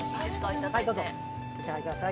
いただいて・どうぞお召し上がりください